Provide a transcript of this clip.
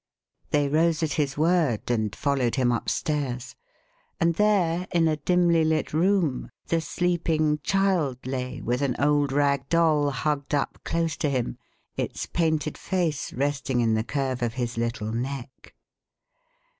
They rose at his word and followed him upstairs; and there, in a dimly lit room, the sleeping child lay with an old rag doll hugged up close to him, its painted face resting in the curve of his little neck.